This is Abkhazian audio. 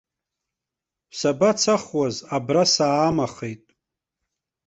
Сабацахуаз, абра саамахеит.